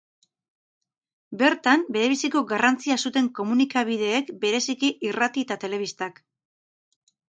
Bertan, berebiziko garrantzia zuten komunikabideek, bereziki, irrati eta telebistak.